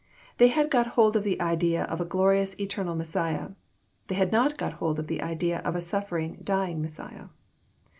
They had got hold of the idea of a glorious, eternal Messiah. They had not got hold of the idea of a suffer ing, dying Messiah.